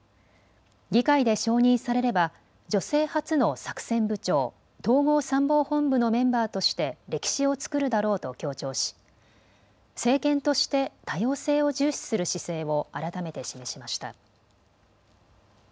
議会で承認されれば女性初の作戦部長、統合参謀本部のメンバーとして歴史を作るだろうと強調し政権として多様性を重視する姿勢を改めて示しました。